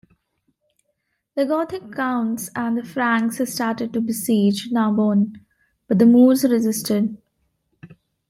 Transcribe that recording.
The Gothic counts and the Franks started to besiege Narbonne, but the Moors resisted.